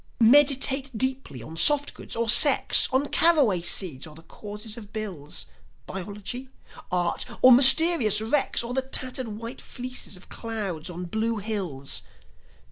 Meditate deeply on softgoods or sex, On carraway seeds or the causes of bills, Biology, art, or mysterious wrecks, Or the tattered white fleeces of clouds on blue hills.